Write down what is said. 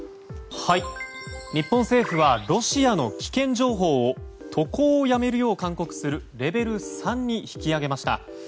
日本政府はロシアの危険情報を渡航をやめるよう勧告するレベル３に引き上げました。